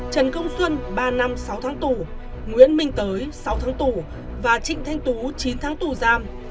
trần công xuân ba năm sáu tháng tù nguyễn minh tới sáu tháng tù và trịnh thanh tú chín tháng tù giam